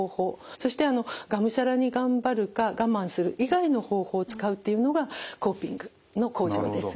そしてがむしゃらに「頑張る」か「我慢する」以外の方法を使うっていうのがコーピングの向上です。